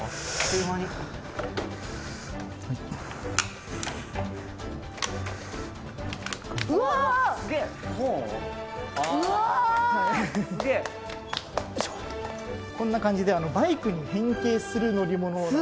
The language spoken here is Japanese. すげえこんな感じでバイクに変形する乗り物です